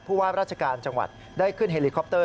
ว่าราชการจังหวัดได้ขึ้นเฮลิคอปเตอร์